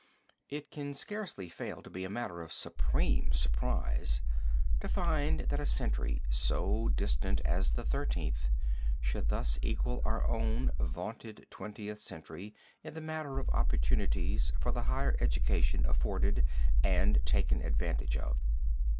It can scarcely fail to be a matter of supreme surprise to find that a century so distant as the Thirteenth, should thus equal our own vaunted Twentieth Century in the matter of opportunities for the higher education afforded and taken advantage of.